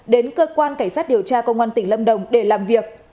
đến cơ quan cảnh sát điều tra công an tỉnh lâm đồng để làm việc